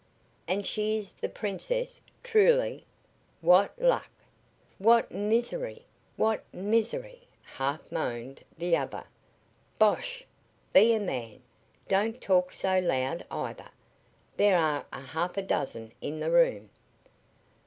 "And she is the Princess truly?" "What luck!" "What misery what misery!" half moaned the other. "Bosh! Be a man! Don't talk so loud, either! There are a half dozen in the room."